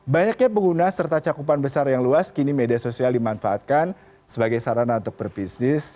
banyaknya pengguna serta cakupan besar yang luas kini media sosial dimanfaatkan sebagai sarana untuk berbisnis